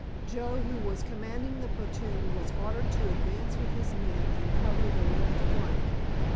Joe, who was commanding the platoon, was ordered to advance with his men and cover the left flank.